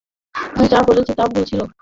আমি যা করেছি তা ভুল ছিল।